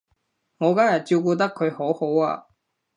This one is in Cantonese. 我今日照顧得佢好好啊